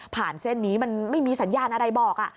เส้นนี้มันไม่มีสัญญาณอะไรบอก